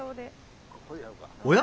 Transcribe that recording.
おや？